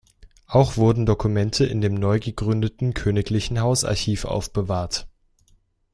Auch wurden Dokumente in dem neu gegründeten königlichen Hausarchiv aufbewahrt.